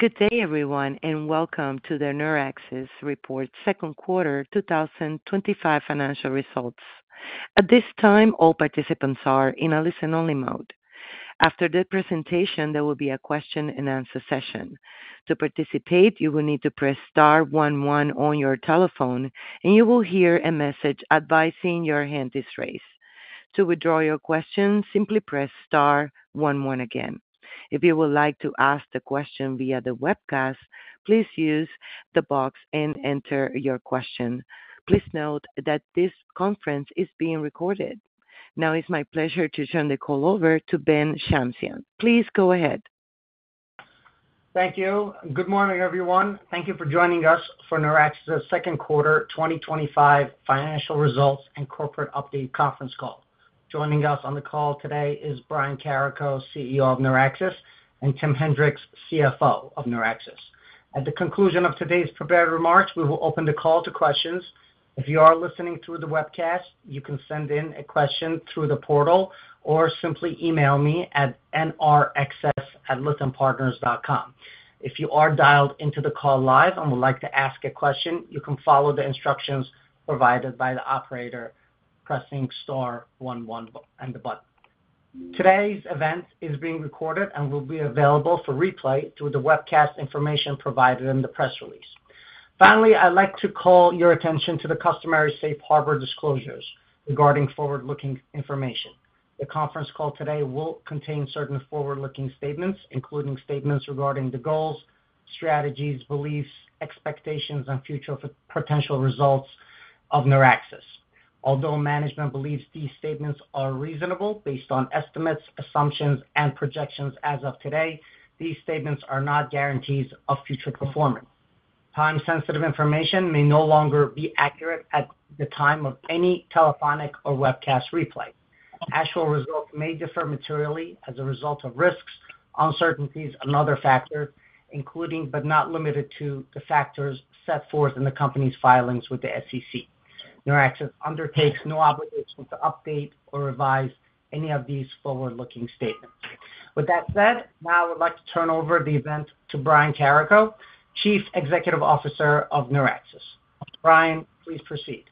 Good day, everyone, and welcome to the NeurAxis Report, Second Quarter 2025 Financial Results. At this time, all participants are in a listen-only mode. After the presentation, there will be a question and answer session. To participate, you will need to press star 11 on your telephone, and you will hear a message advising your hand is raised. To withdraw your question, simply press star 11 again. If you would like to ask the question via the webcast, please use the box and enter your question. Please note that this conference is being recorded. Now, it's my pleasure to turn the call over to Ben Shamsian. Please go ahead. Thank you. Good morning, everyone. Thank you for joining us for NeurAxis' Second Quarter 2025 Financial Results and Corporate Update Conference Call. Joining us on the call today is Brian Carrico, CEO of NeurAxis, and Tim Henrichs, CFO of NeurAxis. At the conclusion of today's prepared remarks, we will open the call to questions. If you are listening through the webcast, you can send in a question through the portal or simply email me at nraxis@listenpartners.com. If you are dialed into the call live and would like to ask a question, you can follow the instructions provided by the operator, pressing star 11 on the button. Today's event is being recorded and will be available for replay through the webcast information provided in the press release. Finally, I'd like to call your attention to the customary safe harbor disclosures regarding forward-looking information. The conference call today will contain certain forward-looking statements, including statements regarding the goals, strategies, beliefs, expectations, and future potential results of NeurAxis. Although management believes these statements are reasonable based on estimates, assumptions, and projections as of today, these statements are not guarantees of future performance. Time-sensitive information may no longer be accurate at the time of any telephonic or webcast replay. Actual results may differ materially as a result of risks, uncertainties, and other factors, including but not limited to the factors set forth in the company's filings with the SEC. NeurAxis undertakes no obligation to update or revise any of these forward-looking statements. With that said, now I would like to turn over the event to Brian Carrico, Chief Executive Officer of NeurAxis. Brian, please proceed.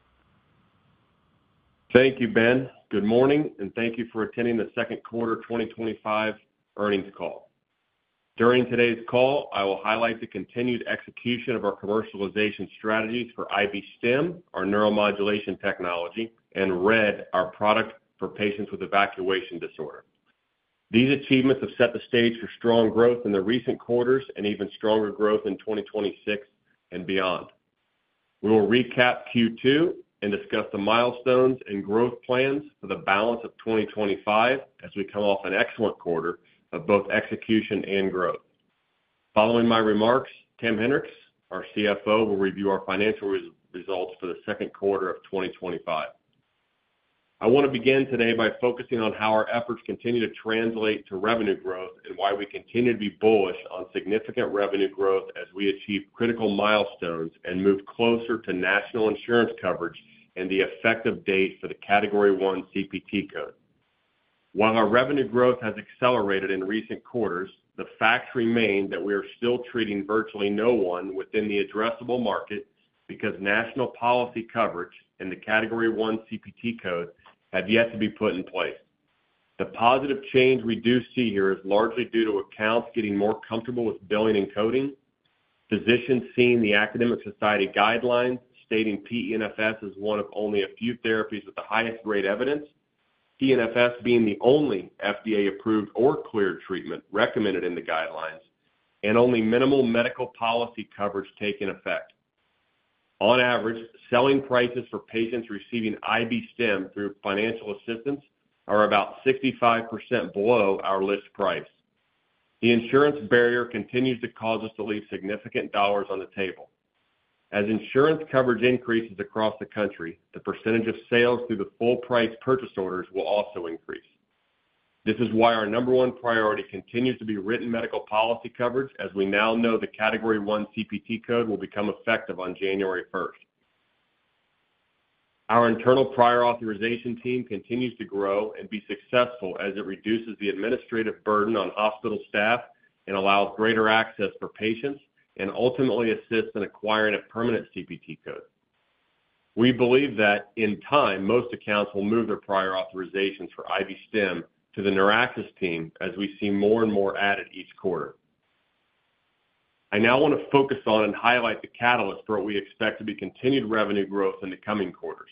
Thank you, Ben. Good morning, and thank you for attending the second quarter 2025 earnings call. During today's call, I will highlight the continued execution of our commercialization strategies for IB-Stim, our neuromodulation technology, and RED, our product for patients with evacuation disorder. These achievements have set the stage for strong growth in the recent quarters and even stronger growth in 2026 and beyond. We will recap Q2 and discuss the milestones and growth plans for the balance of 2025 as we come off an excellent quarter of both execution and growth. Following my remarks, Tim Henrichs, our CFO, will review our financial results for the second quarter of 2025. I want to begin today by focusing on how our efforts continue to translate to revenue growth and why we continue to be bullish on significant revenue growth as we achieve critical milestones and move closer to national insurance coverage and the effective date for the Category I CPT code. While our revenue growth has accelerated in recent quarters, the facts remain that we are still treating virtually no one within the addressable market because national policy coverage and the Category I CPT code have yet to be put in place. The positive change we do see here is largely due to accounts getting more comfortable with billing and coding, physicians seeing the Academic Society guidelines stating PENFS as one of only a few therapies with the highest rate of evidence, PENFS being the only FDA-approved or cleared treatment recommended in the guidelines, and only minimal medical policy coverage taking effect. On average, selling prices for patients receiving IB-Stim through financial assistance are about 65% below our list price. The insurance barrier continues to cause us to leave significant dollars on the table. As insurance coverage increases across the country, the percentage of sales through the full-price purchase orders will also increase. This is why our number one priority continues to be written medical policy coverage as we now know the Category I CPT code will become effective on January 1st. Our internal prior authorization team continues to grow and be successful as it reduces the administrative burden on hospital staff and allows greater access for patients and ultimately assists in acquiring a permanent CPT code. We believe that in time, most accounts will move their prior authorizations for IB-Stim to the NeurAxis team as we see more and more added each quarter. I now want to focus on and highlight the catalyst for what we expect to be continued revenue growth in the coming quarters.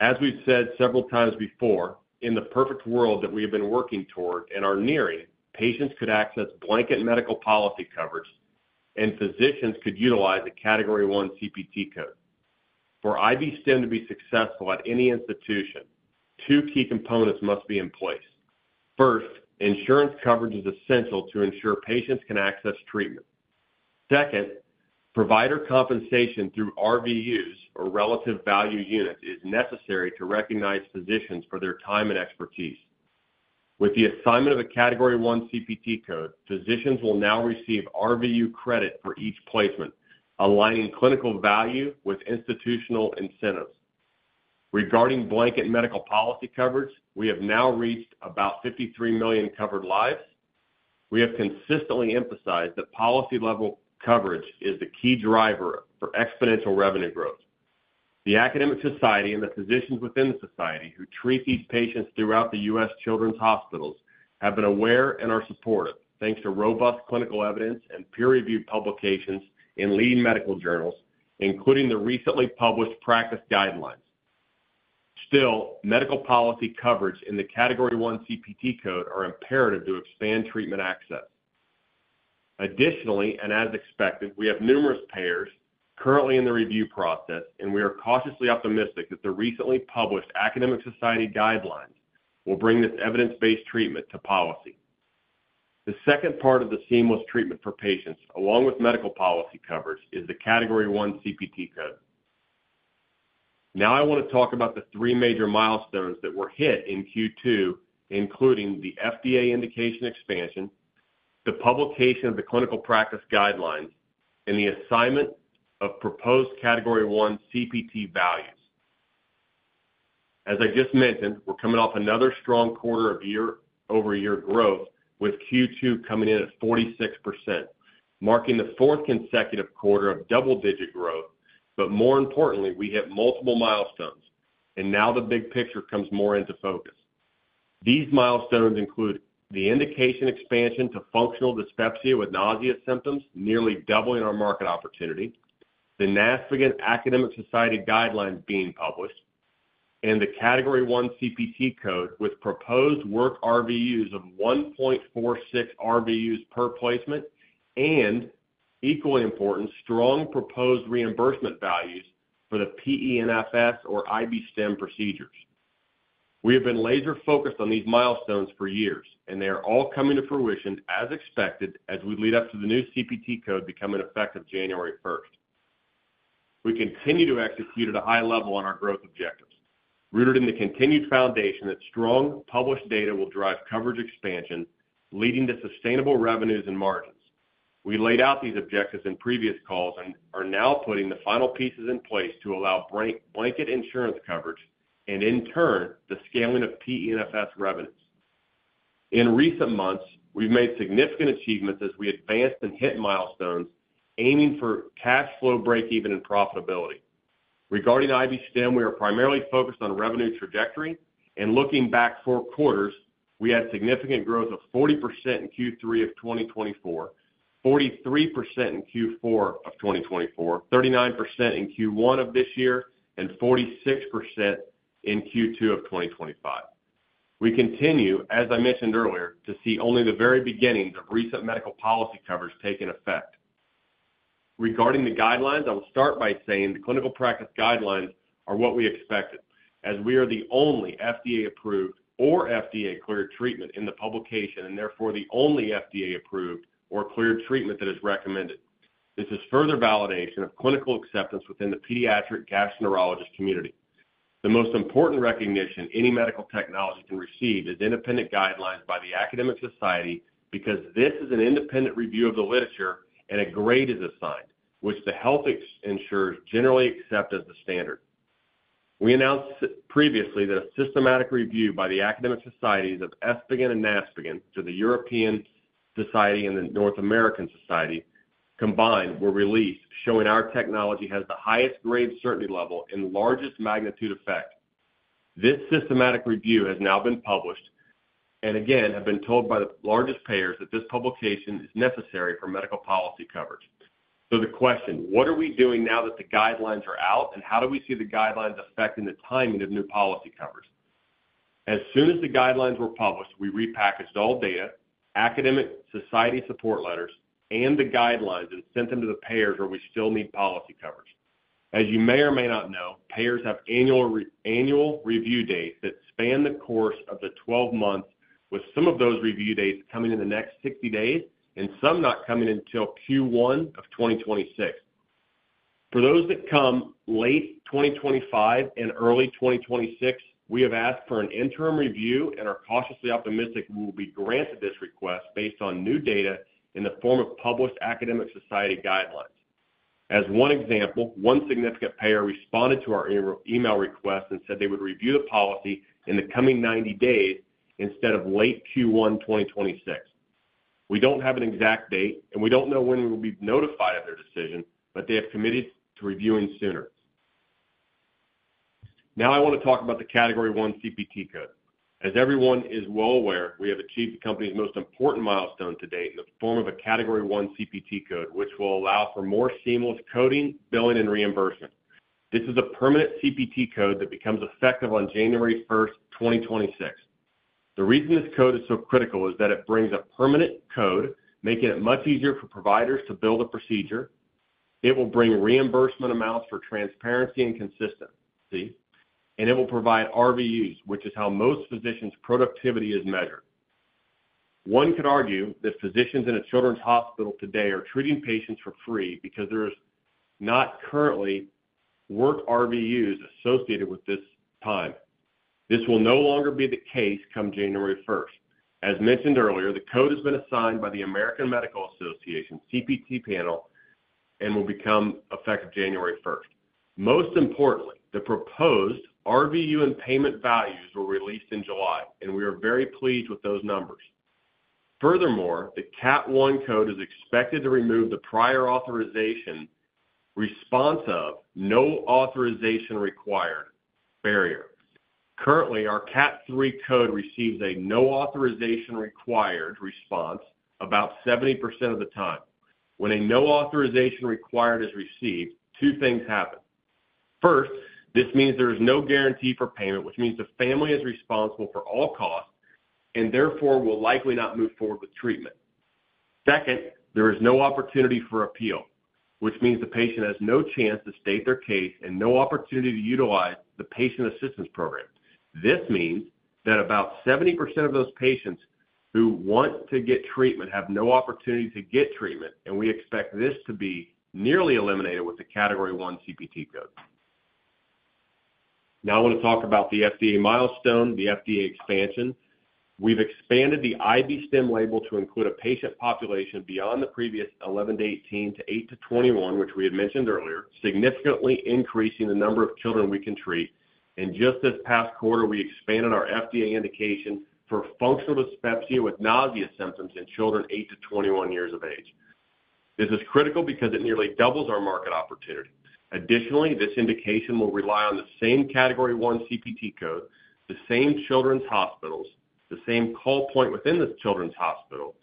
As we've said several times before, in the perfect world that we have been working toward and are nearing, patients could access blanket medical policy coverage and physicians could utilize the Category I CPT code. For IB-Stim to be successful at any institution, two key components must be in place. First, insurance coverage is essential to ensure patients can access treatment. Second, provider compensation through RVUs, or relative value unit, is necessary to recognize physicians for their time and expertise. With the assignment of the Category I CPT code, physicians will now receive RVU credit for each placement, aligning clinical value with institutional incentives. Regarding blanket medical policy coverage, we have now reached about 53 million covered lives. We have consistently emphasized that policy-level coverage is the key driver for exponential revenue growth. The Academic Society and the physicians within the society who treat these patients throughout the U.S. children's hospitals have been aware and are supportive, thanks to robust clinical evidence and peer-reviewed publications in leading medical journals, including the recently published practice guidelines. Still, medical policy coverage and the Category I CPT code are imperative to expand treatment access. Additionally, as expected, we have numerous payers currently in the review process, and we are cautiously optimistic that the recently published Academic Society guidelines will bring this evidence-based treatment to policy. The second part of the seamless treatment for patients, along with medical policy coverage, is the Category I CPT code. Now I want to talk about the three major milestones that were hit in Q2, including the FDA indication expansion, the publication of the clinical practice guidelines, and the assignment of proposed Category I CPT values. As I just mentioned, we're coming off another strong quarter of year-over-year growth, with Q2 coming in at 46%, marking the fourth consecutive quarter of double-digit growth. More importantly, we hit multiple milestones, and now the big picture comes more into focus. These milestones include the indication expansion to functional dyspepsia with nausea symptoms, nearly doubling our market opportunity, the NASPGHAN Academic Society guidelines being published, and the Category I CPT code with proposed work RVUs of 1.46 RVUs per placement and, equally important, strong proposed reimbursement values for the PENFS or IB-Stim procedures. We have been laser-focused on these milestones for years, and they are all coming to fruition as expected as we lead up to the new CPT code becoming effective January 1st. We continue to execute at a high level on our growth objectives, rooted in the continued foundation that strong published data will drive coverage expansion, leading to sustainable revenues and margins. We laid out these objectives in previous calls and are now putting the final pieces in place to allow blanket insurance coverage and, in turn, the scaling of PENFS revenues. In recent months, we've made significant achievements as we advanced and hit milestones, aiming for cash flow breakeven and profitability. Regarding IB-Stim, we are primarily focused on revenue trajectory. Looking back four quarters, we had significant growth of 40% in Q3 of 2024, 43% in Q4 of 2024, 39% in Q1 of this year, and 46% in Q2 of 2025. We continue, as I mentioned earlier, to see only the very beginnings of recent medical policy coverage taking effect. Regarding the guidelines, I will start by saying the clinical practice guidelines are what we expected, as we are the only FDA-approved or FDA-cleared treatment in the publication and therefore the only FDA-approved or cleared treatment that is recommended. This is further validation of clinical acceptance within the pediatric gastroenterologist community. The most important recognition any medical technology can receive is independent guidelines by the Academic Society because this is an independent review of the literature and a grade is assigned, which the health insurers generally accept as the standard. We announced previously that a systematic review by the Academic Societies of ESPGHAN and NASPGHAN through the European Society and the North American Society combined were released, showing our technology has the highest grade certainty level and largest magnitude effect. This systematic review has now been published and, again, have been told by the largest payers that this publication is necessary for medical policy coverage. The question is, what are we doing now that the guidelines are out and how do we see the guidelines affecting the timing of new policy coverage? As soon as the guidelines were published, we repackaged all data, academic society support letters, and the guidelines and sent them to the payers where we still need policy coverage. As you may or may not know, payers have annual review dates that span the course of the 12 months, with some of those review dates coming in the next 60 days and some not coming until Q1 of 2026. For those that come late 2025 and early 2026, we have asked for an interim review and are cautiously optimistic we will be granted this request based on new data in the form of published Academic Society guidelines. As one example, one significant payer responded to our email request and said they would review the policy in the coming 90 days instead of late Q1 2026. We don't have an exact date and we don't know when we will be notified of their decision, but they have committed to reviewing sooner. Now I want to talk about the Category I CPT code. As everyone is well aware, we have achieved the company's most important milestone to date in the form of a Category I CPT code, which will allow for more seamless coding, billing, and reimbursement. This is a permanent CPT code that becomes effective on January 1st, 2026. The reason this code is so critical is that it brings a permanent code, making it much easier for providers to build a procedure. It will bring reimbursement amounts for transparency and consistency, and it will provide RVUs, which is how most physicians' productivity is measured. One could argue that physicians in a children's hospital today are treating patients for free because there is not currently work RVUs associated with this time. This will no longer be the case come January 1st. As mentioned earlier, the code has been assigned by the American Medical Association CPT panel and will become effective January 1st. Most importantly, the proposed RVU and payment values were released in July, and we are very pleased with those numbers. Furthermore, the Cat I code is expected to remove the prior authorization response of no authorization required barrier. Currently, our Cat III code receives a no authorization required response about 70% of the time. When a no authorization required is received, two things happen. First, this means there is no guarantee for payment, which means the family is responsible for all costs and therefore will likely not move forward with treatment. Second, there is no opportunity for appeal, which means the patient has no chance to state their case and no opportunity to utilize the patient assistance program. This means that about 70% of those patients who want to get treatment have no opportunity to get treatment, and we expect this to be nearly eliminated with the Category I CPT code. Now I want to talk about the FDA milestone, the FDA expansion. We've expanded the IB-Stim label to include a patient population beyond the previous 11-18 to 8-21, which we had mentioned earlier, significantly increasing the number of children we can treat. Just this past quarter, we expanded our FDA indication for functional dyspepsia with nausea symptoms in children 8-21 years of age. This is critical because it nearly doubles our market opportunity. Additionally, this indication will rely on the same Category I CPT code, the same children's hospitals, the same call point within this children's hospital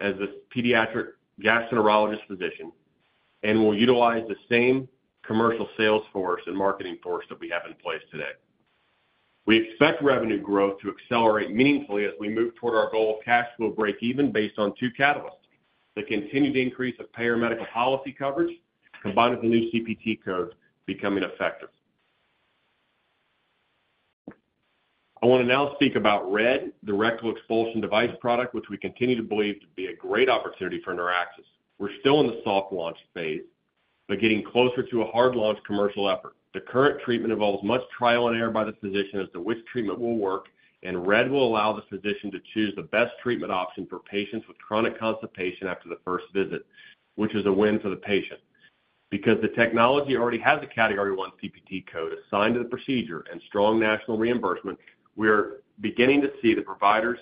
as the pediatric gastroenterologist physician, and will utilize the same commercial sales force and marketing force that we have in place today. We expect revenue growth to accelerate meaningfully as we move toward our goal of cash flow breakeven based on two catalysts: the continued increase of payer medical policy coverage combined with the new CPT code becoming effective. I want to now speak about RED, the Rectal Expulsion Device product, which we continue to believe to be a great opportunity for NeurAxis. We're still in the soft launch phase, but getting closer to a hard launch commercial effort. The current treatment involves much trial and error by the physician as to which treatment will work, and RED will allow the physician to choose the best treatment option for patients with chronic constipation after the first visit, which is a win for the patient. Because the technology already has a Category I CPT code assigned to the procedure and strong national reimbursement, we are beginning to see the providers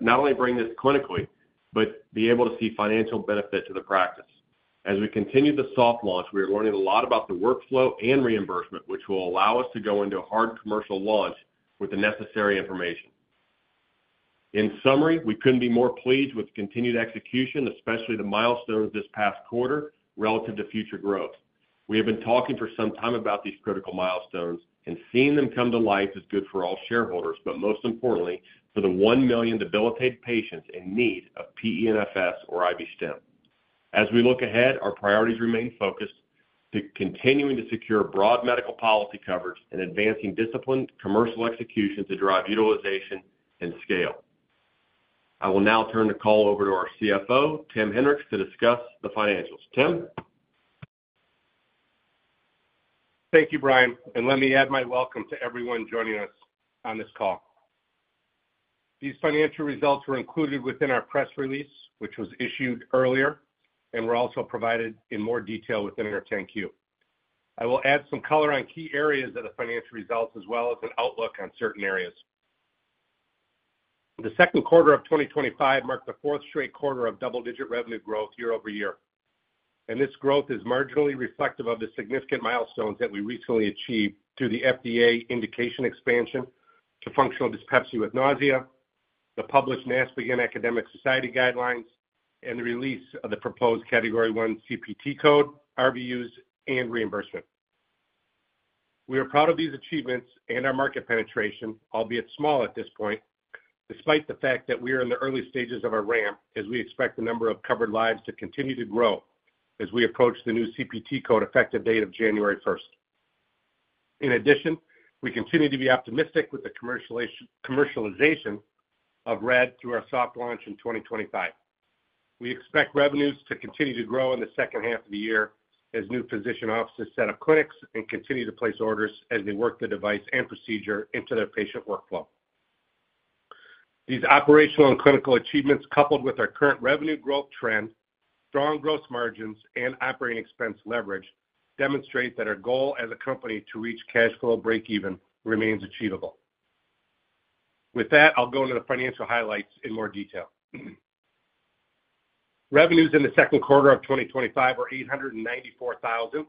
not only bring this clinically, but be able to see financial benefit to the practice. As we continue the soft launch, we are learning a lot about the workflow and reimbursement, which will allow us to go into a hard commercial launch with the necessary information. In summary, we couldn't be more pleased with the continued execution, especially the milestones this past quarter relative to future growth. We have been talking for some time about these critical milestones and seeing them come to life is good for all shareholders, but most importantly, for the 1 million debilitated patients in need of PENFS or IB-Stim. As we look ahead, our priorities remain focused to continuing to secure broad medical policy coverage and advancing disciplined commercial execution to drive utilization and scale. I will now turn the call over to our CFO, Tim Henrichs, to discuss the financials. Tim? Thank you, Brian. Let me add my welcome to everyone joining us on this call. These financial results were included within our press release, which was issued earlier, and were also provided in more detail within our thank you. I will add some color on key areas of the financial results, as well as an outlook on certain areas. The second quarter of 2025 marked the fourth straight quarter of double-digit revenue growth year-over-year. This growth is marginally reflective of the significant milestones that we recently achieved through the FDA indication expansion to functional dyspepsia with nausea, the published NASPGHAN Academic Society guidelines, and the release of the proposed Category I CPT code, RVUs, and reimbursement. We are proud of these achievements and our market penetration, albeit small at this point, despite the fact that we are in the early stages of our ramp, as we expect the number of covered lives to continue to grow as we approach the new CPT code effective date of January 1st. In addition, we continue to be optimistic with the commercialization of RED through our soft launch in 2025. We expect revenues to continue to grow in the second half of the year as new physician offices set up clinics and continue to place orders as they work the device and procedure into their patient workflow. These operational and clinical achievements, coupled with our current revenue growth trend, strong gross margins, and operating expense leverage, demonstrate that our goal as a company to reach cash flow breakeven remains achievable. With that, I'll go into the financial highlights in more detail. Revenues in the second quarter of 2025 were $894,000,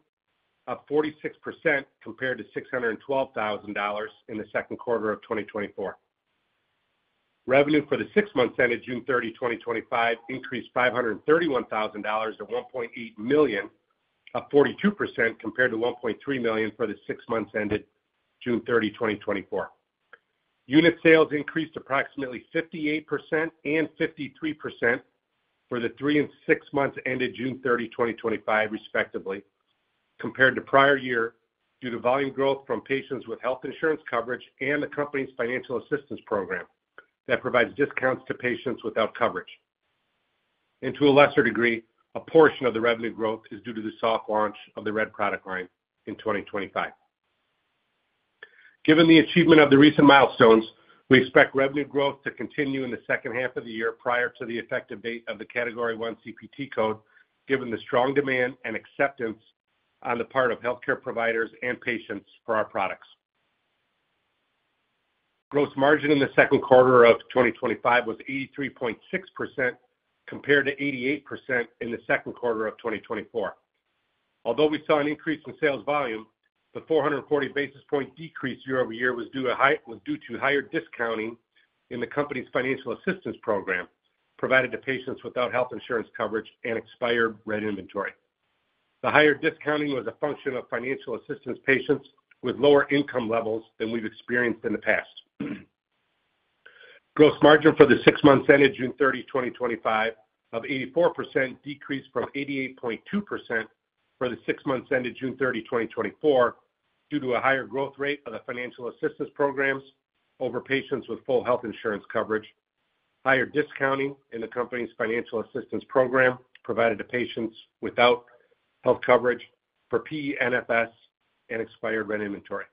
up 46% compared to $612,000 in the second quarter of 2024. Revenue for the six months ended June 30, 2025, increased $531,000 to $1.8 million, up 42% compared to $1.3 million for the six months ended June 30, 2024. Unit sales increased approximately 58% and 53% for the three and six months ended June 30, 2025, respectively, compared to prior year due to volume growth from patients with health insurance coverage and the company's financial assistance program that provides discounts to patients without coverage. To a lesser degree, a portion of the revenue growth is due to the soft launch of the RED product line in 2025. Given the achievement of the recent milestones, we expect revenue growth to continue in the second half of the year prior to the effective date of the Category I CPT code, given the strong demand and acceptance on the part of healthcare providers and patients for our products. Gross margin in the second quarter of 2025 was 83.6% compared to 88% in the second quarter of 2024. Although we saw an increase in sales volume, the 440 basis point decrease year-over-year was due to higher discounting in the company's financial assistance program provided to patients without health insurance coverage and expired RED inventory. The higher discounting was a function of financial assistance patients with lower income levels than we've experienced in the past. Gross margin for the six months ended June 30, 2025, up 84%, decreased from 88.2% for the six months ended June 30, 2024, due to a higher growth rate of the financial assistance programs over patients with full health insurance coverage, higher discounting in the company's financial assistance program provided to patients without health coverage for PENFS and expired RED inventory.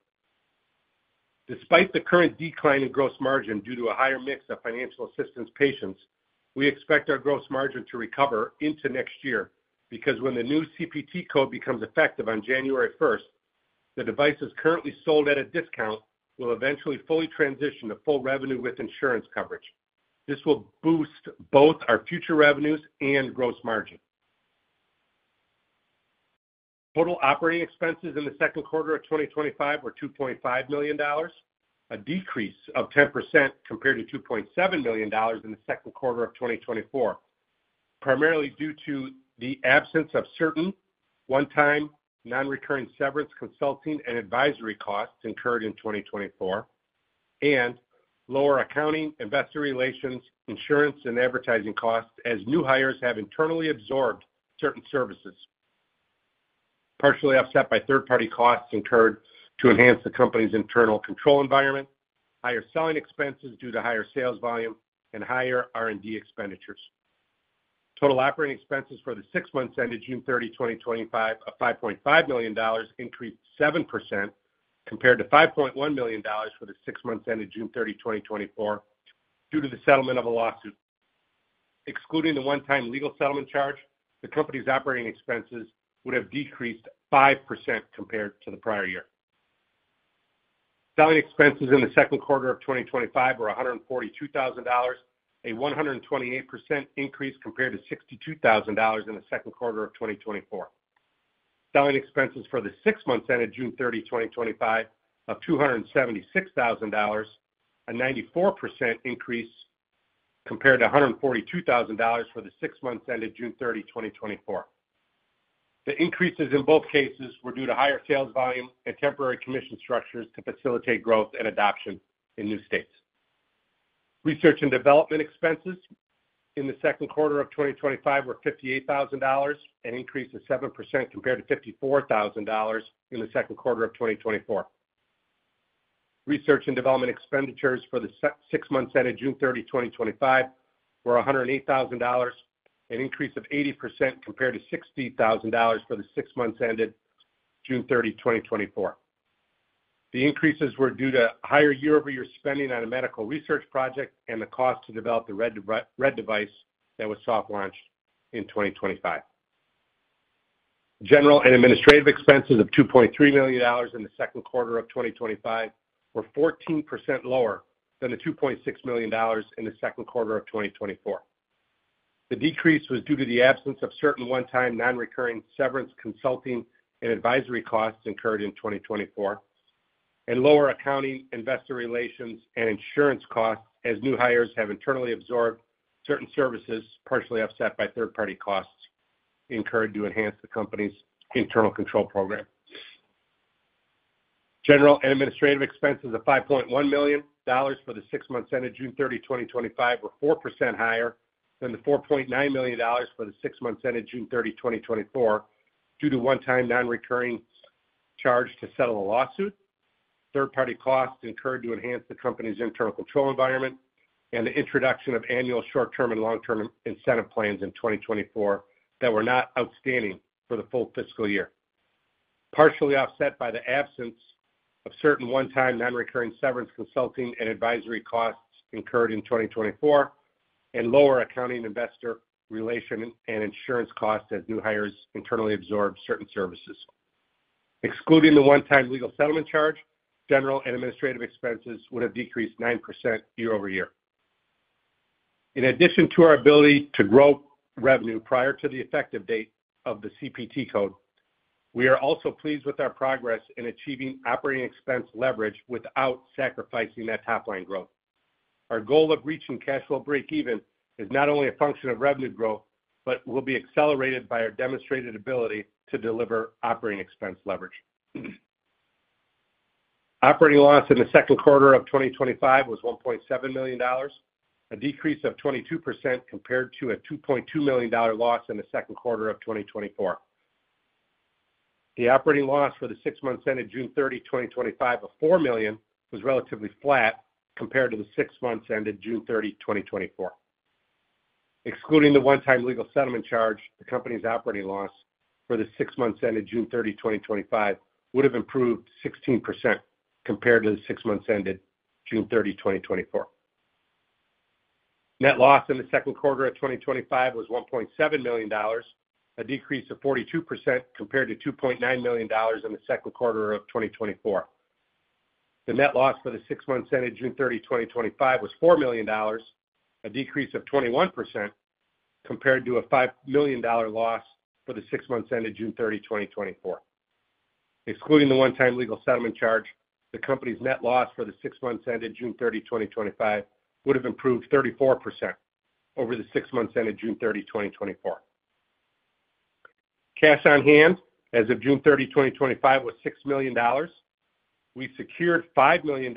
Despite the current decline in gross margin due to a higher mix of financial assistance patients, we expect our gross margin to recover into next year because when the new CPT code becomes effective on January 1st, the devices currently sold at a discount will eventually fully transition to full revenue with insurance coverage. This will boost both our future revenues and gross margin. Total operating expenses in the second quarter of 2025 were $2.5 million, a decrease of 10% compared to $2.7 million in the second quarter of 2024, primarily due to the absence of certain one-time, non-recurring severance consulting and advisory costs incurred in 2024, and lower accounting, investor relations, insurance, and advertising costs as new hires have internally absorbed certain services, partially offset by third-party costs incurred to enhance the company's internal control environment, higher selling expenses due to higher sales volume, and higher R&D expenditures. Total operating expenses for the six months ended June 30, 2025, up $5.5 million, increased 7% compared to $5.1 million for the six months ended June 30, 2024, due to the settlement of a lawsuit. Excluding the one-time legal settlement charge, the company's operating expenses would have decreased 5% compared to the prior year. Selling expenses in the second quarter of 2025 were $142,000, a 128% increase compared to $62,000 in the second quarter of 2024. Selling expenses for the six months ended June 30, 2025, were $276,000, a 94% increase compared to $142,000 for the six months ended June 30, 2024. The increases in both cases were due to higher sales volume and temporary commission structures to facilitate growth and adoption in new states. Research and development expenses in the second quarter of 2025 were $58,000, an increase of 7% compared to $54,000 in the second quarter of 2024. Research and development expenditures for the six months ended June 30, 2025, were $108,000, an increase of 80% compared to $60,000 for the six months ended June 30, 2024. The increases were due to higher year-over-year spending on a medical research project and the cost to develop the RED device that was soft launched in 2025. General and administrative expenses of $2.3 million in the second quarter of 2025 were 14% lower than the $2.6 million in the second quarter of 2024. The decrease was due to the absence of certain one-time non-recurring severance, consulting, and advisory costs incurred in 2024, and lower accounting, investor relations, and insurance costs as new hires have internally absorbed certain services, partially offset by third-party costs incurred to enhance the company's internal control program. General and administrative expenses of $5.1 million for the six months ended June 30, 2025, were 4% higher than the $4.9 million for the six months ended June 30, 2024, due to a one-time non-recurring charge to settle a lawsuit, third-party costs incurred to enhance the company's internal control environment, and the introduction of annual short-term and long-term incentive plans in 2024 that were not outstanding for the full fiscal year, partially offset by the absence of certain one-time non-recurring severance, consulting, and advisory costs incurred in 2024, and lower accounting, investor relations, and insurance costs as new hires internally absorbed certain services. Excluding the one-time legal settlement charge, general and administrative expenses would have decreased 9% year-over-year. In addition to our ability to grow revenue prior to the effective date of the CPT code, we are also pleased with our progress in achieving operating expense leverage without sacrificing that top-line growth. Our goal of reaching cash flow breakeven is not only a function of revenue growth, but will be accelerated by our demonstrated ability to deliver operating expense leverage. Operating loss in the second quarter of 2025 was $1.7 million, a decrease of 22% compared to a $2.2 million loss in the second quarter of 2024. The operating loss for the six months ended June 30, 2025, of $4 million was relatively flat compared to the six months ended June 30, 2024. Excluding the one-time legal settlement charge, the company's operating loss for the six months ended June 30, 2025 would have improved 16% compared to the six months ended June 30, 2024. Net loss in the second quarter of 2025 was $1.7 million, a decrease of 42% compared to $2.9 million in the second quarter of 2024. The net loss for the six months ended June 30, 2025 was $4 million, a decrease of 21% compared to a $5 million loss for the six months ended June 30, 2024. Excluding the one-time legal settlement charge, the company's net loss for the six months ended June 30, 2025 would have improved 34% over the six months ended June 30, 2024. Cash on hand as of June 30, 2025 was $6 million. We secured $5 million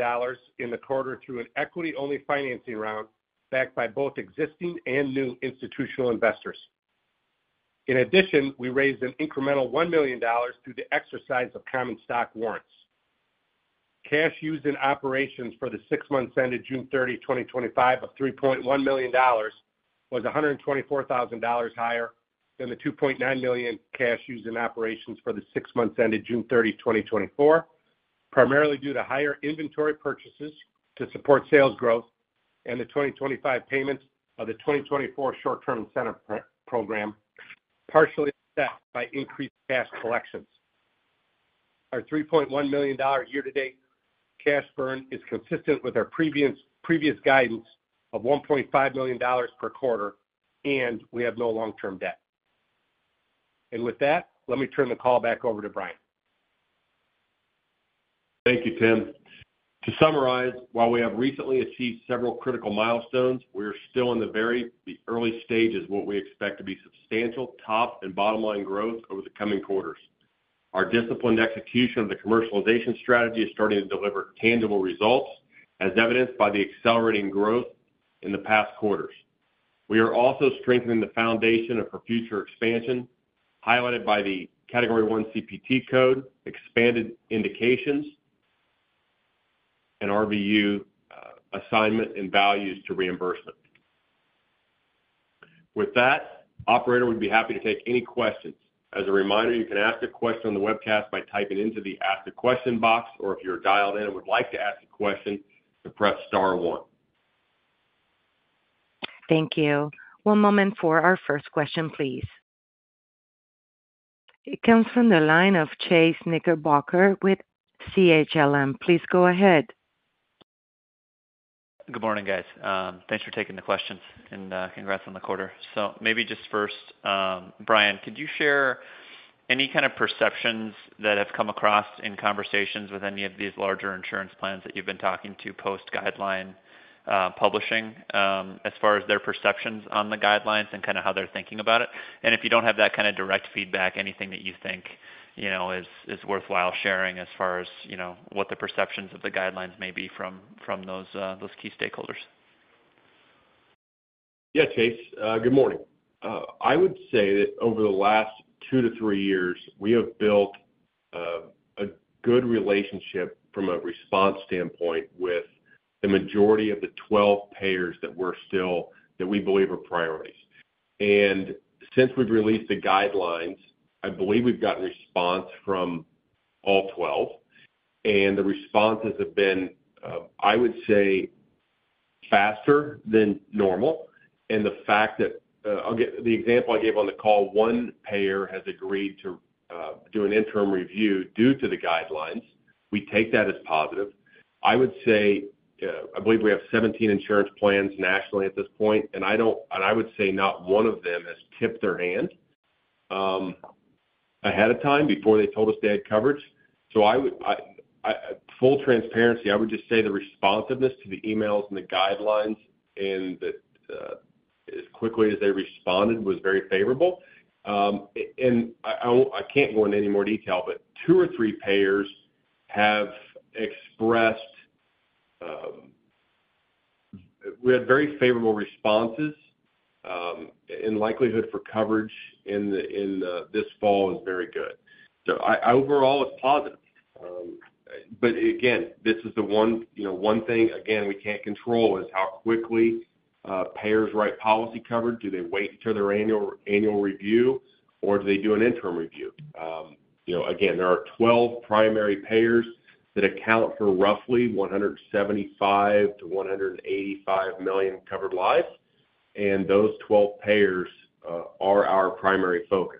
in the quarter through an equity-only financing round backed by both existing and new institutional investors. In addition, we raised an incremental $1 million through the exercise of common stock warrants. Cash used in operations for the six months ended June 30, 2025 of $3.1 million was $124,000 higher than the $2.9 million cash used in operations for the six months ended June 30, 2024, primarily due to higher inventory purchases to support sales growth and the 2025 payments of the 2024 short-term incentive program, partially set by increased cash collections. Our $3.1 million year-to-date cash burn is consistent with our previous guidance of $1.5 million per quarter, and we have no long-term debt. Let me turn the call back over to Brian. Thank you, Tim. To summarize, while we have recently achieved several critical milestones, we are still in the very early stages of what we expect to be substantial top and bottom line growth over the coming quarters. Our disciplined execution of the commercialization strategy is starting to deliver tangible results, as evidenced by the accelerating growth in the past quarters. We are also strengthening the foundation for future expansion, highlighted by the Category I CPT code, expanded indications, and RVU assignment and values to reimbursement. With that, operator, we'd be happy to take any questions. As a reminder, you can ask a question on the webcast by typing into the ask a question box, or if you're dialed in and would like to ask a question, you can press star 1. Thank you. One moment for our first question, please. It comes from the line of Chase Knickerbocker with CHLM. Please go ahead. Good morning, guys. Thanks for taking the questions, and congrats on the quarter. Brian, could you share any kind of perceptions that have come across in conversations with any of these larger insurance plans that you've been talking to post-guideline publishing, as far as their perceptions on the guidelines and how they're thinking about it? If you don't have that kind of direct feedback, anything that you think is worthwhile sharing as far as what the perceptions of the guidelines may be from those key stakeholders. Yeah, Chase, good morning. I would say that over the last two to three years, we have built a good relationship from a response standpoint with the majority of the 12 payers that we believe are priorities. Since we've released the guidelines, I believe we've gotten a response from all 12, and the responses have been, I would say, faster than normal. The fact that, I'll get the example I gave on the call, one payer has agreed to do an interim review due to the guidelines. We take that as positive. I would say, I believe we have 17 insurance plans nationally at this point, and I would say not one of them has tipped their hand ahead of time before they told us they had coverage. In full transparency, I would just say the responsiveness to the emails and the guidelines and that, as quickly as they responded, was very favorable. I can't go into any more detail, but two or three payers have expressed, we had very favorable responses, and the likelihood for coverage this fall is very good. Overall, it's positive. Again, this is the one thing we can't control, how quickly payers write policy coverage. Do they wait until their annual review, or do they do an interim review? There are 12 primary payers that account for roughly 175 million-185 million covered lives, and those 12 payers are our primary focus.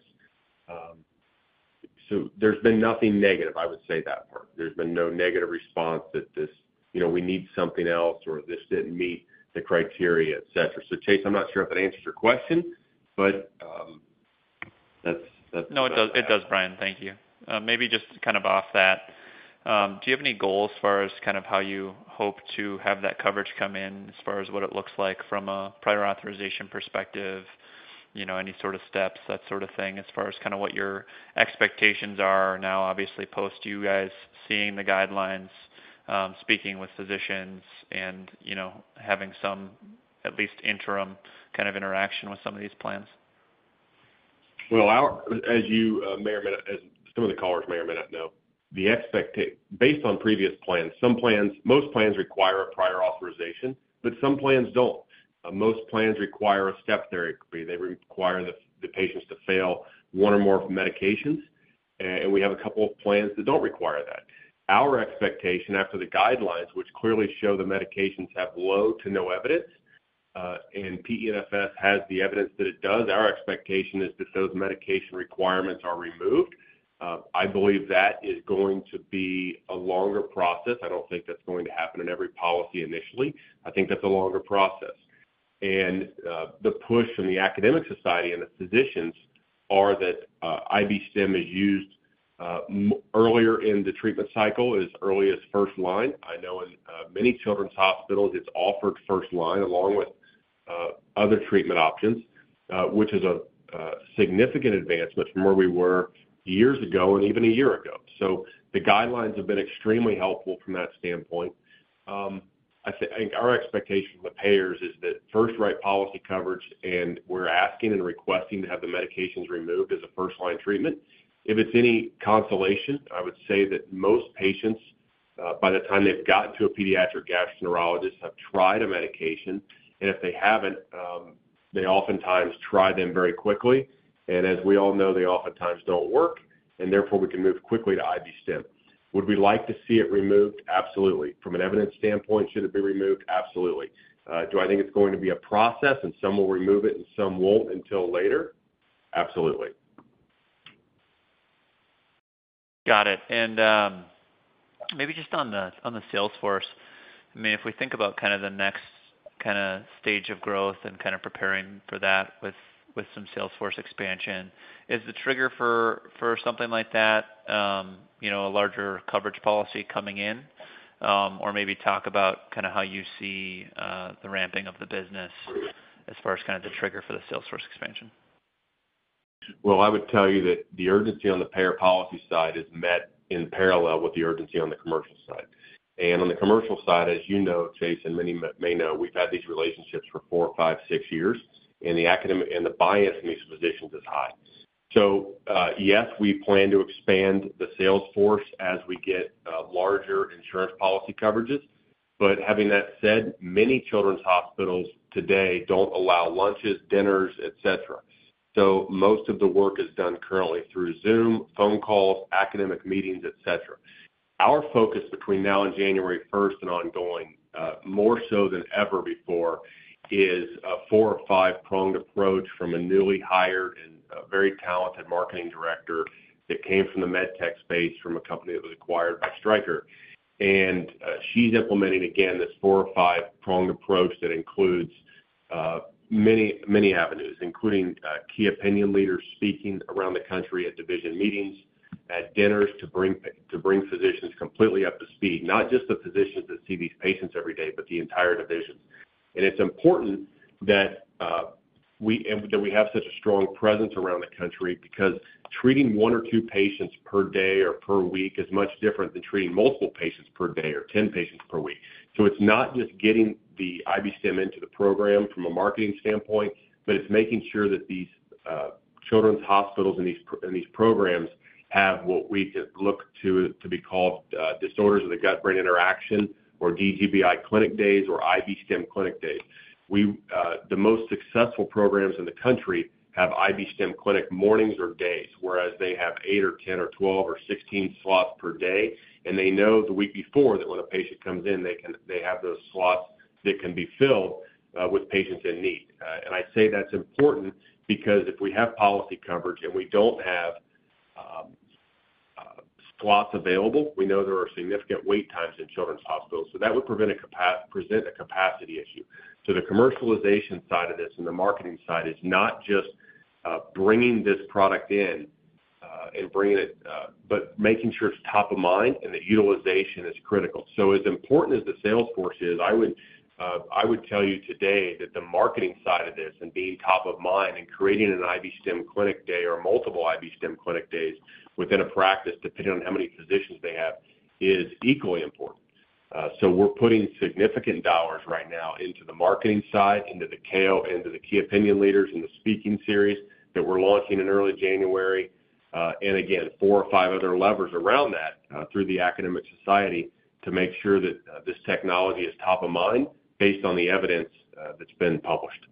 There's been nothing negative, I would say that part. There's been no negative response that this, you know, we need something else or this didn't meet the criteria, etc. Chase, I'm not sure if that answers your question, but that's, that's. No, it does. It does, Brian. Thank you. Maybe just kind of off that, do you have any goals as far as kind of how you hope to have that coverage come in as far as what it looks like from a prior authorization perspective? You know, any sort of steps, that sort of thing, as far as kind of what your expectations are now, obviously, post you guys seeing the guidelines, speaking with physicians, and, you know, having some at least interim kind of interaction with some of these plans? As you may or may not know, the expectation based on previous plans, some plans, most plans require a prior authorization, but some plans don't. Most plans require a step therapy. They require the patients to fail one or more medications, and we have a couple of plans that don't require that. Our expectation after the guidelines, which clearly show the medications have low to no evidence, and PENFS has the evidence that it does, our expectation is that those medication requirements are removed. I believe that is going to be a longer process. I don't think that's going to happen in every policy initially. I think that's a longer process. The push from the Academic Society and the physicians is that IB-Stim is used earlier in the treatment cycle, as early as first line. I know in many children's hospitals, it's offered first line along with other treatment options, which is a significant advancement from where we were years ago and even a year ago. The guidelines have been extremely helpful from that standpoint. I think our expectation from the payers is that first right policy coverage, and we're asking and requesting to have the medications removed as a first-line treatment. If it's any consolation, I would say that most patients, by the time they've gotten to a pediatric gastroenterologist, have tried a medication. If they haven't, they oftentimes try them very quickly. As we all know, they oftentimes don't work. Therefore, we can move quickly to IV-Stim. Would we like to see it removed? Absolutely. From an evidence standpoint, should it be removed? Absolutely. Do I think it's going to be a process and some will remove it and some won't until later? Absolutely. Got it. Maybe just on the Salesforce, if we think about kind of the next kind of stage of growth and kind of preparing for that with some Salesforce expansion, is the trigger for something like that a larger coverage policy coming in, or maybe talk about kind of how you see the ramping of the business as far as the trigger for the Salesforce expansion? I would tell you that the urgency on the payer policy side is met in parallel with the urgency on the commercial side. On the commercial side, as you know, Chase, and many may know, we've had these relationships for four, five, six years, and the academic and the buy-in from these physicians is high. Yes, we plan to expand the Salesforce as we get larger insurance policy coverages. Having that said, many children's hospitals today don't allow lunches, dinners, etc. Most of the work is done currently through Zoom, phone calls, academic meetings, etc. Our focus between now and January 1st and ongoing, more so than ever before, is a four or five-pronged approach from a newly hired and very talented Marketing Director that came from the med tech space from a company that was acquired by Stryker. She's implementing, again, this four or five-pronged approach that includes many, many avenues, including key opinion leaders speaking around the country at division meetings, at dinners to bring physicians completely up to speed, not just the physicians that see these patients every day, but the entire division. It's important that we have such a strong presence around the country because treating one or two patients per day or per week is much different than treating multiple patients per day or 10 patients per week. It's not just getting the IB-Stim into the program from a marketing standpoint, but it's making sure that these children's hospitals and these programs have what we look to be called disorders of the gut-brain interaction, or DGBI clinic days, or IB-Stim clinic days. The most successful programs in the country have IB-Stim clinic mornings or days, where they have 8 or 10 or 12 or 16 slots per day. They know the week before that when a patient comes in, they have those slots that can be filled with patients in need. I say that's important because if we have policy coverage and we don't have slots available, we know there are significant wait times in children's hospitals. That would present a capacity issue. The commercialization side of this and the marketing side is not just bringing this product in and bringing it, but making sure it's top of mind and that utilization is critical. As important as the Salesforce is, I would tell you today that the marketing side of this and being top of mind and creating an IB-Stim clinic day or multiple IB-Stim clinic days within a practice, depending on how many physicians they have, is equally important. We're putting significant dollars right now into the marketing side, into the key opinion leaders, and the speaking series that we're launching in early January. Again, four or five other levers around that, through the Academic Society to make sure that this technology is top of mind based on the evidence that's been published.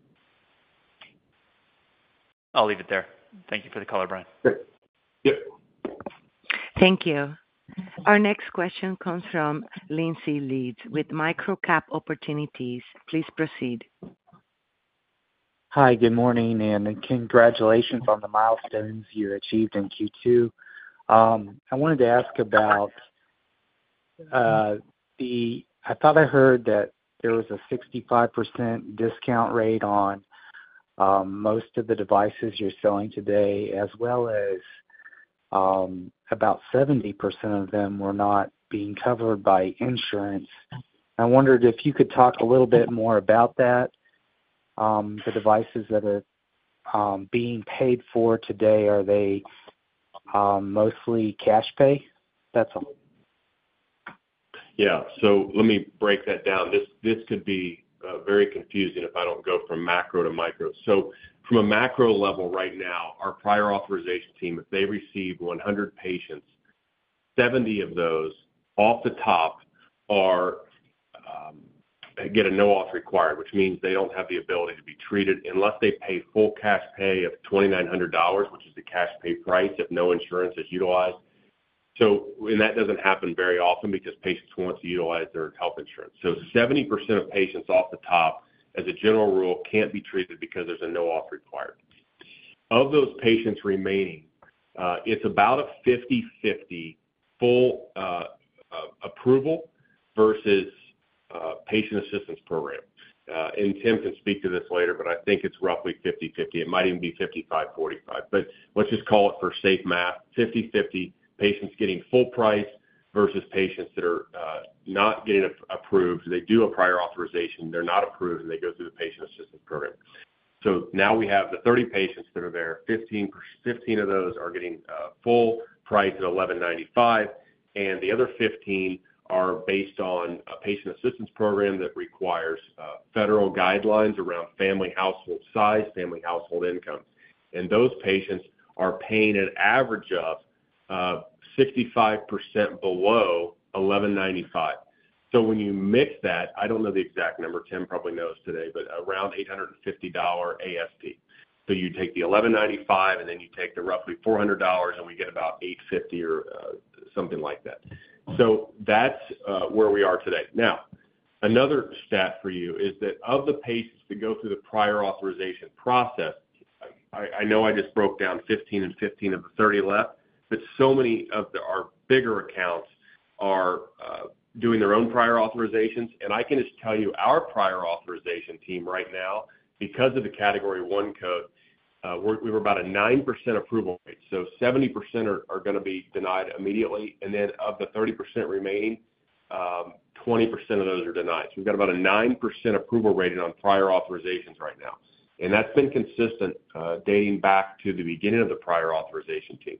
I'll leave it there. Thank you for the call, Brian. Okay. Yep. Thank you. Our next question comes from Lindsay Leeds with MicroCap Opportunities. Please proceed. Hi, good morning, and congratulations on the milestones you achieved in Q2. I wanted to ask about, I thought I heard that there was a 65% discount rate on most of the devices you're selling today, as well as about 70% of them were not being covered by insurance. I wondered if you could talk a little bit more about that. The devices that are being paid for today, are they mostly cash pay? That's all. Yeah. Let me break that down. This could be very confusing if I don't go from macro to micro. From a macro level right now, our prior authorization team, if they receive 100 patients, 70 of those, off the top, get a no auth required, which means they don't have the ability to be treated unless they pay full cash pay of $2,900, which is the cash pay price if no insurance is utilized. That doesn't happen very often because patients want to utilize their health insurance. 70% of patients off the top, as a general rule, can't be treated because there's a no auth required. Of those patients remaining, it's about a 50/50 full approval versus patient assistance program. Tim can speak to this later, but I think it's roughly 50/50. It might even be 55/45. For safe math, let's just call it 50/50, patients getting full price versus patients that are not getting approved. They do a prior authorization, they're not approved, and they go through the patient assistance program. Now we have the 30 patients that are there. 15% of those are getting full price at $1,195, and the other 15 are based on a patient assistance program that requires federal guidelines around family household size, family household income. Those patients are paying an average of 65% below $1,195. When you mix that, I don't know the exact number, Tim probably knows today, but around $850 ASP. You take the $1,195, and then you take the roughly $400, and we get about $850 or something like that. That's where we are today. Another stat for you is that of the patients that go through the prior authorization process, I know I just broke down 15 and 15 of the 30 left, but so many of our bigger accounts are doing their own prior authorizations. I can just tell you our prior authorization team right now, because of the Category I code, we were about a 9% approval rate. 70% are going to be denied immediately. Of the 30% remaining, 20% of those are denied. We've got about a 9% approval rating on prior authorizations right now. That's been consistent, dating back to the beginning of the prior authorization team.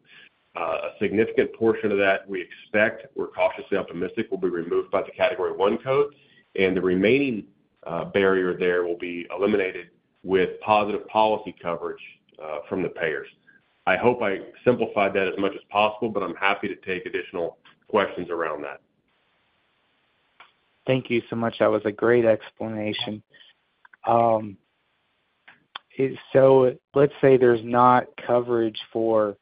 A significant portion of that we expect, we're cautiously optimistic, will be removed by the Category I code. The remaining barrier there will be eliminated with positive policy coverage from the payers. I hope I simplified that as much as possible, but I'm happy to take additional questions around that. Thank you so much. That was a great explanation. Let's say there's not coverage for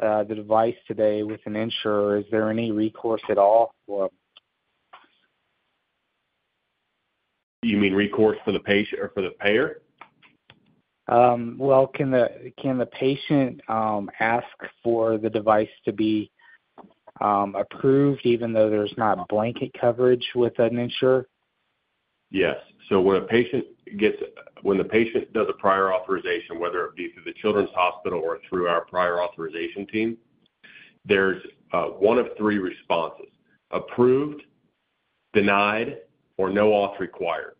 the device today with an insurer. Is there any recourse at all for? You mean recourse for the patient or for the payer? Can the patient ask for the device to be approved even though there's not blanket coverage with an insurer? Yes. When a patient gets, when the patient does a prior authorization, whether it be through the children's hospital or through our prior authorization team, there's one of three responses: approved, denied, or no auth required.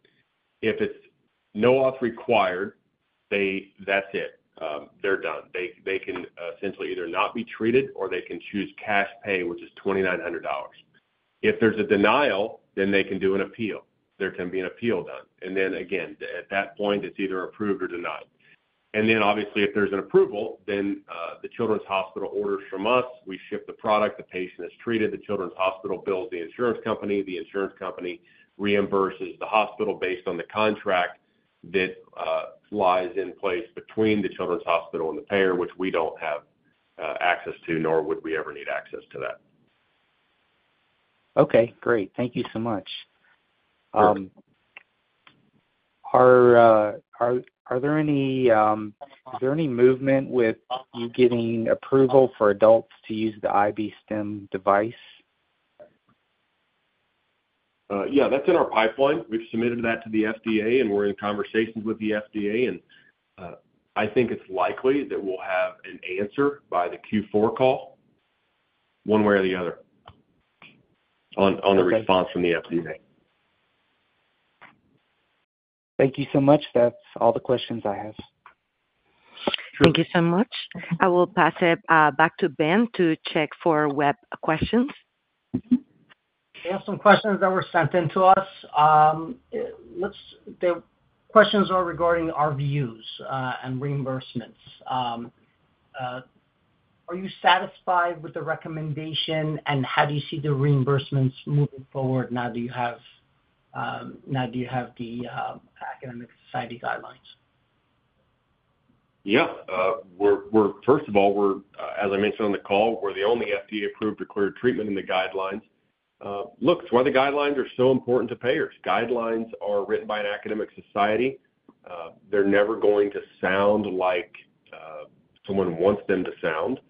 If it's no auth required, that's it. They're done. They can essentially either not be treated, or they can choose cash pay, which is $2,900. If there's a denial, then they can do an appeal. There can be an appeal done. At that point, it's either approved or denied. Obviously, if there's an approval, then the children's hospital orders from us. We ship the product. The patient is treated. The children's hospital bills the insurance company. The insurance company reimburses the hospital based on the contract that lies in place between the children's hospital and the payer, which we don't have access to, nor would we ever need access to that. Okay, great. Thank you so much. Thank you. Is there any movement with you getting approval for adults to use the IB-Stim device? Yeah, that's in our pipeline. We've submitted that to the FDA, and we're in conversations with the FDA. I think it's likely that we'll have an answer by the Q4 call, one way or the other, on the response from the FDA. Thank you so much. That's all the questions I have. Sure. Thank you so much. I will pass it back to Ben to check for web questions. We have some questions that were sent in to us. The questions are regarding RVUs and reimbursements. Are you satisfied with the recommendation, and how do you see the reimbursements moving forward now that you have the Academic Society guidelines? Yeah, we're, first of all, as I mentioned on the call, we're the only FDA-approved or cleared treatment in the guidelines. That's why the guidelines are so important to payers. Guidelines are written by an academic society. They're never going to sound like someone wants them to sound.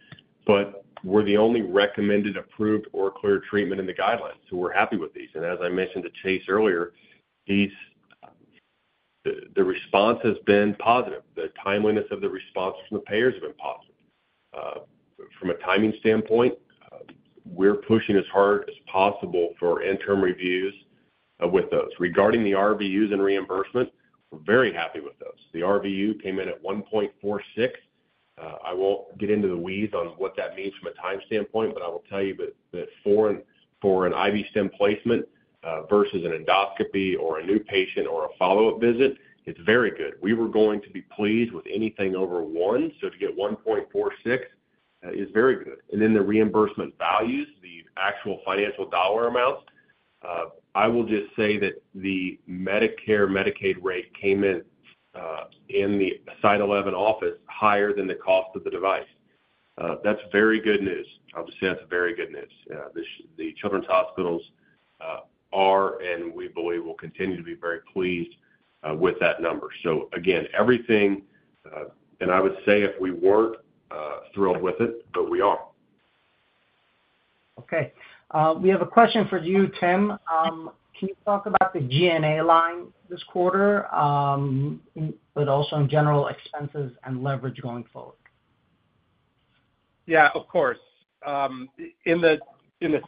We're the only recommended, approved, or cleared treatment in the guidelines. We're happy with these. As I mentioned to Chase earlier, the response has been positive. The timeliness of the response from the payers has been positive. From a timing standpoint, we're pushing as hard as possible for interim reviews with those. Regarding the RVUs and reimbursement, we're very happy with those. The RVU came in at 1.46. I won't get into the weeds on what that means from a time standpoint, but I will tell you that for an IB-Stim placement, versus an endoscopy or a new patient or a follow-up visit, it's very good. We were going to be pleased with anything over one. To get 1.46 is very good. The reimbursement values, the actual financial dollar amounts, I will just say that the Medicare/Medicaid rate came in, in the site 11 office, higher than the cost of the device. That's very good news. I'll just say that's very good news. The children's hospitals are, and we believe will continue to be, very pleased with that number. Again, everything, and I would say if we weren't thrilled with it, but we are. Okay. We have a question for you, Tim. Can you talk about the G&A line this quarter, and also in general expenses and leverage going forward? Yeah, of course. In the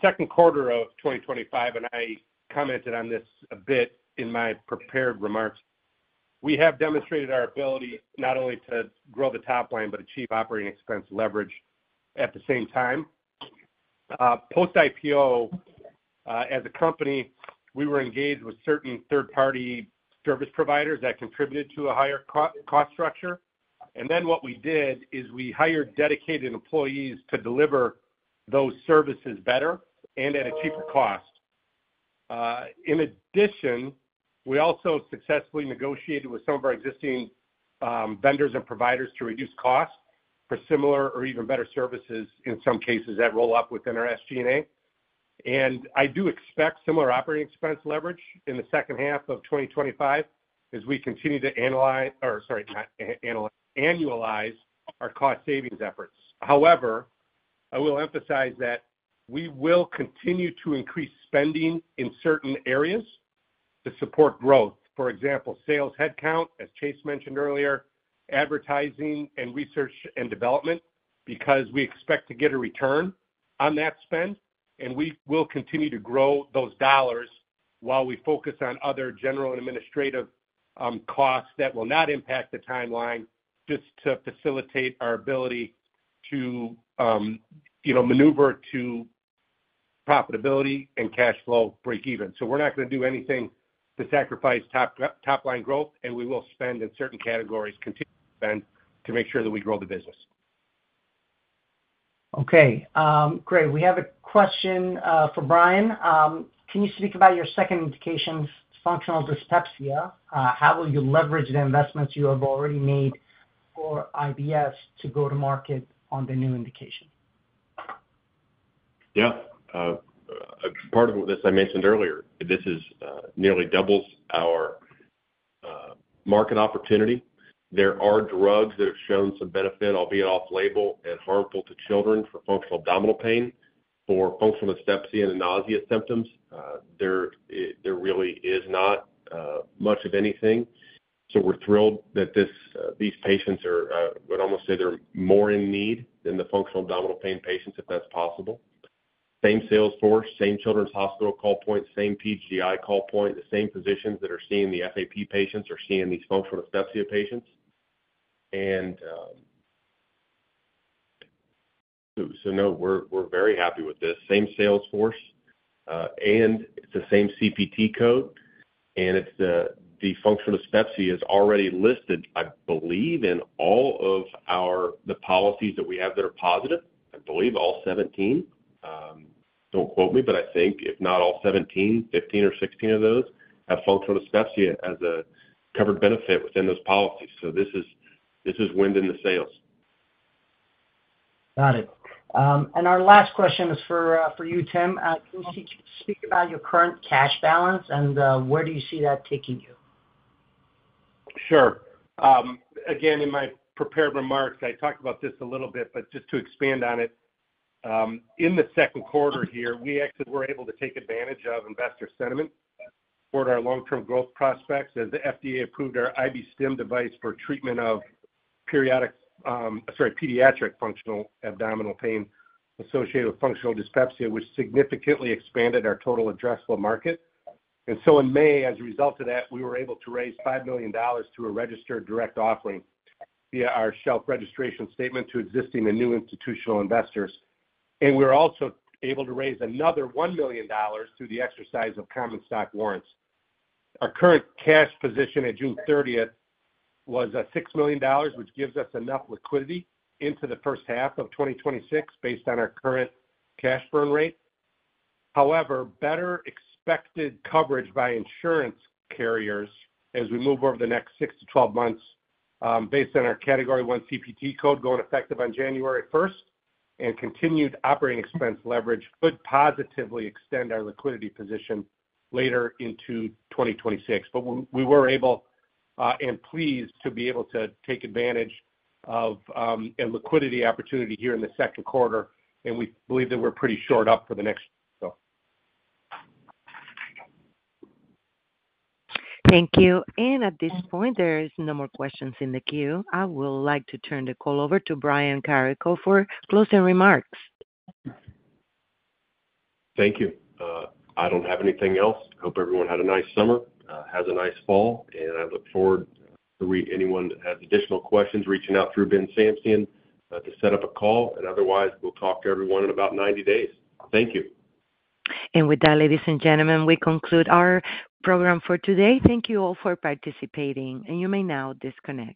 second quarter of 2025, and I commented on this a bit in my prepared remarks, we have demonstrated our ability not only to grow the top line, but achieve operating expense leverage at the same time. Post-IPO, as a company, we were engaged with certain third-party service providers that contributed to a higher cost structure. What we did is we hired dedicated employees to deliver those services better and at a cheaper cost. In addition, we also successfully negotiated with some of our existing vendors and providers to reduce costs for similar or even better services in some cases that roll up within our SG&A. I do expect similar operating expense leverage in the second half of 2025 as we continue to analyze, or sorry, not annualize our cost savings efforts. However, I will emphasize that we will continue to increase spending in certain areas to support growth. For example, sales headcount, as Chase mentioned earlier, advertising, and research and development, because we expect to get a return on that spend. We will continue to grow those dollars while we focus on other general and administrative costs that will not impact the timeline, just to facilitate our ability to, you know, maneuver to profitability and cash flow breakeven. We're not going to do anything to sacrifice top line growth, and we will spend in certain categories, continue to spend to make sure that we grow the business. Okay, great. We have a question for Brian. Can you speak about your second indication's functional dyspepsia? How will you leverage the investments you have already made for IBS to go to market on the new indication? Yeah, it's part of what I mentioned earlier. This nearly doubles our market opportunity. There are drugs that have shown some benefit, albeit off-label and harmful to children for functional abdominal pain, for functional dyspepsia, and the nausea symptoms. There really is not much of anything. We're thrilled that these patients are, I would almost say they're more in need than the functional abdominal pain patients, if that's possible. Same Salesforce, same children's hospital call point, same PGI call point, the same physicians that are seeing the FAP patients are seeing these functional dyspepsia patients. We're very happy with this. Same Salesforce, and it's the same CPT code. The functional dyspepsia is already listed, I believe, in all of the policies that we have that are positive. I believe all 17. Don't quote me, but I think if not all 17, 15 or 16 of those have functional dyspepsia as a covered benefit within those policies. This is wind in the sails. Got it. Our last question is for you, Tim. Can you speak about your current cash balance, and where do you see that taking you? Sure. Again, in my prepared remarks, I talked about this a little bit, but just to expand on it, in the second quarter here, we actually were able to take advantage of investor sentiment toward our long-term growth prospects as the FDA approved our IV-Stim device for treatment of pediatric functional abdominal pain associated with functional dyspepsia, which significantly expanded our total addressable market. In May, as a result of that, we were able to raise $5 million through a registered direct offering via our shelf registration statement to existing and new institutional investors. We were also able to raise another $1 million through the exercise of common stock warrants. Our current cash position at June 30th was $6 million, which gives us enough liquidity into the first half of 2026 based on our current cash burn rate. However, better expected coverage by insurance carriers as we move over the next 6 to 12 months, based on our Category I CPT code going effective on January 1st, and continued operating expense leverage could positively extend our liquidity position later into 2026. We were able, and pleased to be able to take advantage of, a liquidity opportunity here in the second quarter, and we believe that we're pretty short up for the next year, so. Thank you. At this point, there are no more questions in the queue. I would like to turn the call over to Brian Carrico for closing remarks. Thank you. I don't have anything else. I hope everyone had a nice summer, has a nice fall, and I look forward to anyone that has additional questions reaching out through Ben Shamsian to set up a call. Otherwise, we'll talk to everyone in about 90 days. Thank you. With that, ladies and gentlemen, we conclude our program for today. Thank you all for participating, and you may now disconnect.